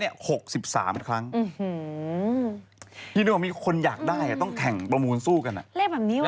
เออบางทีอาจจะใช้เลขนี้แล้วรู้สึกว่า